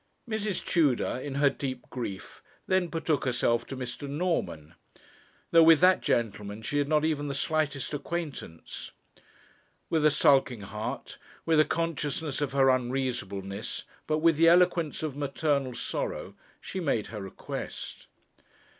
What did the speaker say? Mrs. Tudor, in her deep grief, then betook herself to Mr. Norman, though with that gentleman she had not even the slightest acquaintance. With a sulking heart, with a consciousness of her unreasonableness, but with the eloquence of maternal sorrow, she made her request.